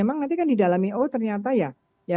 nanti kan di dalam ioo ternyata ya